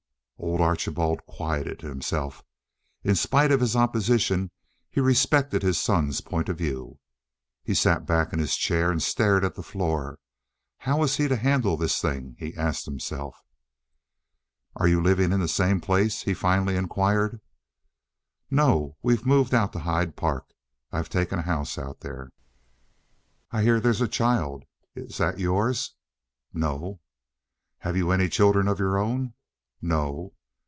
Old Archibald quieted himself. In spite of his opposition, he respected his son's point of view. He sat back in his chair and stared at the floor. "How was he to handle this thing?" he asked himself. "Are you living in the same place?" he finally inquired. "No, we've moved out to Hyde Park. I've taken a house out there." "I hear there's a child. Is that yours?" "No." "Have you any children of your own?" "No."